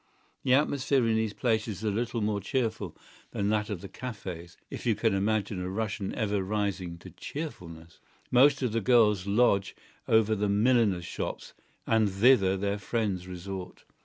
The atmosphere in these places is a little more cheerful than that of the cafÃ©s—if you can imagine a Russian ever rising to cheerfulness. Most of the girls lodge over the milliners' shops, and thither their friends resort.